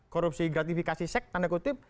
korupsi gratifikasi sek tanda kutip